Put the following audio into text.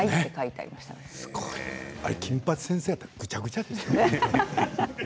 あれは金八先生だったらぐちゃぐちゃですよね。